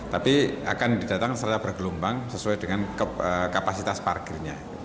tapi akan didatangkan secara bergelombang sesuai dengan kapasitas parkirnya